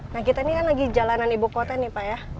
nah kita ini kan lagi jalanan ibu kota nih pak ya